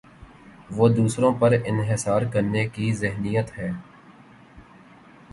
وہ دوسروں پر انحصار کرنے کی ذہنیت ہے۔